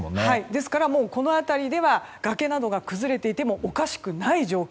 ですからこの辺りでは崖などが崩れていてもおかしくない状況